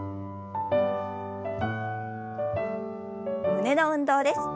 胸の運動です。